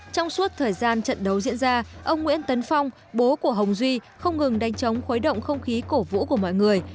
trong suốt thời gian trận đấu diễn ra ông nguyễn tấn phong bố của hồng duy không ngừng đánh chống khuấy động không khí cổ vũ của mọi người